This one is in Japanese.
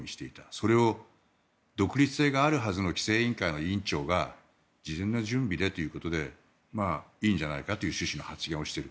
それを独立性があるはずの規制委員会の委員長が事前の準備でということでいいんじゃないかという趣旨の発言をしている。